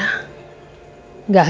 gak hanya buat elsa